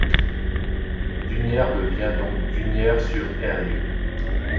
Dunière devient donc Dunière-sur-Eyrieux.